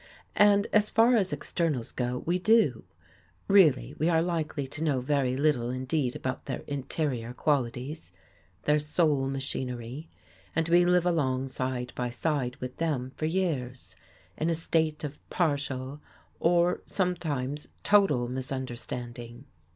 And, as far as externals go, we do. Really, we are likely to know very little indeed about their interior qualities — their soul machinery, and we live along side by side with them for years, in a state of partial, or sometimes total misunderstanding.